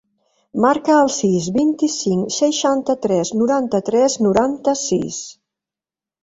Marca el sis, vint-i-cinc, seixanta-tres, noranta-tres, noranta-sis.